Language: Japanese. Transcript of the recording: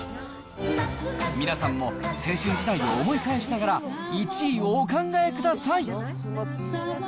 皆さんも青春時代を思い返しながら、１位をお考えください。